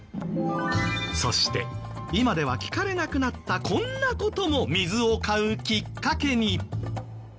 そして今では聞かれなくなったこんな事も水を買うきっかけに。